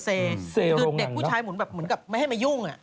คือเด็กผู้ชายเหมือนกับไม่ให้มายุ่ง